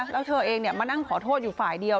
แล้วเธอเองมานั่งขอโทษอยู่ฝ่ายเดียว